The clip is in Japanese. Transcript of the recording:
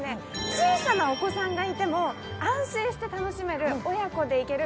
小さなお子さんがいても安心して楽しめる親子で行ける